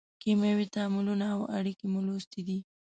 کیمیاوي تعاملونه او اړیکې مو لوستې دي.